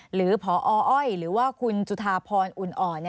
หรือพออ้อยหรือว่าคุณจุธาพรอุ่นอ่อน